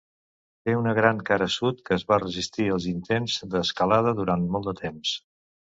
Té una gran cara sud que va resistir als intents d'escalada durant molt de temps.